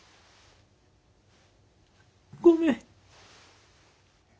ごめん。